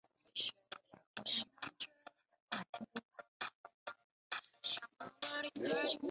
清朝为安徽省泗州盱眙。